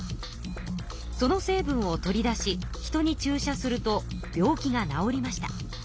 その成分を取り出し人に注射すると病気が治りました。